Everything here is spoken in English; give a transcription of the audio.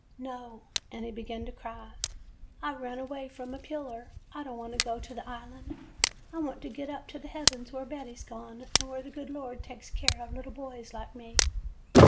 " 'No,' and he began to cry. 'I run away from a peeler. I don't want to go to the Island. I want to get up to the heaven where Betty 's gone, and where the good Lord takes care of little boys like me.